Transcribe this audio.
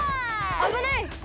あぶない！